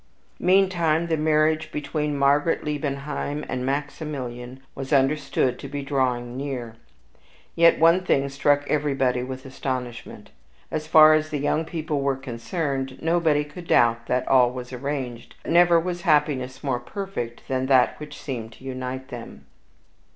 Meantime the marriage between Margaret Liebenheim and Maximilian was understood to be drawing near. Yet one thing struck everybody with astonishment. As far as the young people were concerned, nobody could doubt that all was arranged; for never was happiness more perfect than that which seemed to unite them.